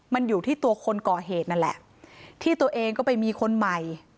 มันอยู่ที่ตัวคนก่อเหตุนั่นแหละที่ตัวเองก็ไปมีคนใหม่